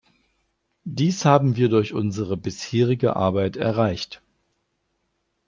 Dies haben wir durch unsere bisherige Arbeit erreicht.